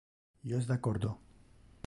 Io es de accordo.